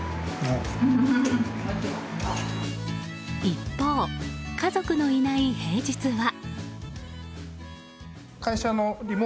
一方、家族のいない平日は。